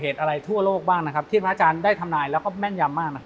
ที่พระอาจารย์ได้ทำนายแล้วก็แม่งยำมากนะครับ